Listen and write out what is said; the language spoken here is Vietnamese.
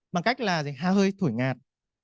bằng cách là hơi thổi ngạt